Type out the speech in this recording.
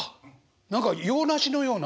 何か洋梨のような。